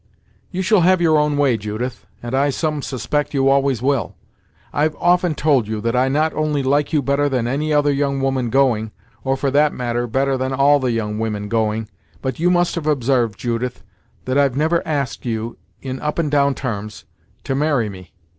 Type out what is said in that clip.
"You shall have your own way, Judith, and I some suspect you always will. I've often told you that I not only like you better than any other young woman going, or, for that matter, better than all the young women going, but you must have obsarved, Judith, that I've never asked you, in up and down tarms, to marry me."